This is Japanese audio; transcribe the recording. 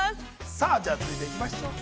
◆さあじゃあ続いて行きましょうか。